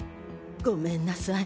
ごめんなさい。